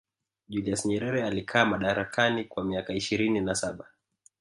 julius nyerere alikaa madarakani kwa miaka ishirini na saba